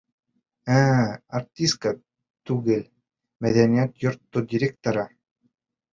«Ә-ә, артистка» түгел, мәҙәниәт йорто директоры!